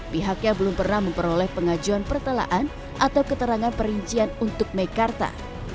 pihaknya belum pernah memperoleh pengajuan pertelaan atau keterangan perincian untuk mekarta